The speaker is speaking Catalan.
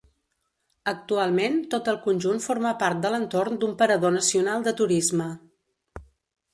Actualment tot el conjunt forma part de l'entorn d'un parador nacional de turisme.